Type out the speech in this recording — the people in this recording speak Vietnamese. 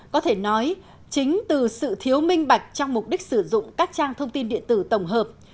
có thể nói chính từ sự thiếu minh bạch trong mục đích sử dụng các trang thông tin điện tử tổng hợp